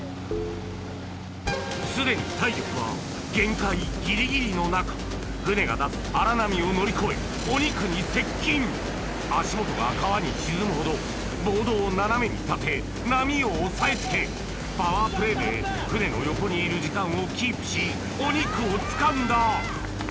すでに体力は限界ギリギリの中船が出す荒波を乗り越えお肉に接近足元が川に沈むほどボードを斜めに立て波を押さえ付けパワープレーで船の横にいる時間をキープしお肉をつかんだ！